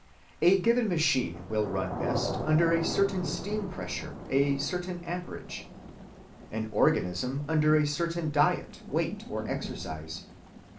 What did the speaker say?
A given machine will run best under a certain steam‐pressure, a certain amperage; an organism under a certain diet, weight, or exercise.